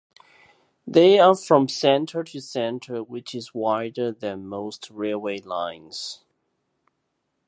They are from center to center, which is wider than most railway lines.